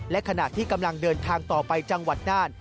และขณะที่กำลังเดินทางต่อไปจังหวัดน่าน